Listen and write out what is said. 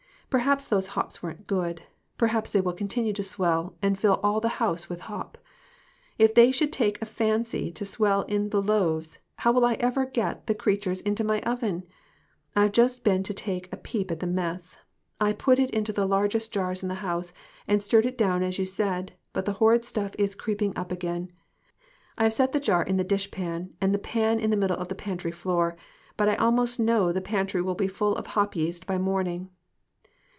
Perhaps those hops weren't good. Per haps they will continue to swell, and fill all the house with hops. If they should take a fancy to swell in the loaves, how will I ever get the crea tures into my oven? I have just been to take a peep at the mess. I put it into the largest jar in the house, and stirred it down as you said, but the horrid stuff is creeping up again. I have set the jar in the dish pan, and the pan in the middle of the pantry floor, but I almost know the pantry will be full of hop yeast by morning.